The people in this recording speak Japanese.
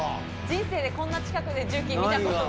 人生でこんな近くで重機見たことない。